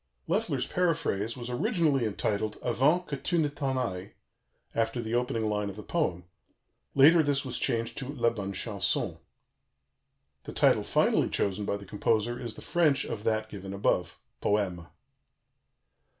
Loeffler's paraphrase was originally entitled Avant que tu ne t'en ailles, after the opening line of the poem; later this was changed to La Bonne Chanson; the title finally chosen by the composer is the French of that given above Poème.